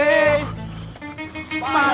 engga kebal kamu tak apa apa